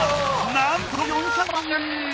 なんと４００万円！